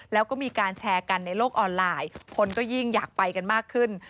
แล้วก็มีการแชร์กันในโลกออนไลน์คนก็ยิ่งอยากไปกันมากขึ้น